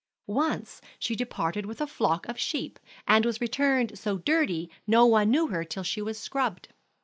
Once she departed with a flock of sheep, and was returned so dirty no one knew her till she was scrubbed.